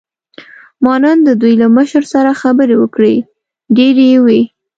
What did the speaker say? ما نن د دوی له مشر سره خبرې وکړې، ډېرې یې وې.